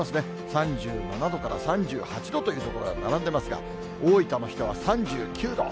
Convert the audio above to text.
３７度から３８度という所が並んでますが、大分の日田は３９度。